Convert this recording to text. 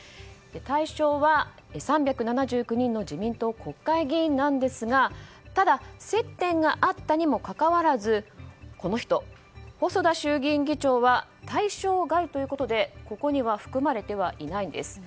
対象は、３７９人の自民党国会議員なんですがただ、接点があったにもかかわらずこの人、細田衆議院議長は対象外ということでここには含まれてはいないんです。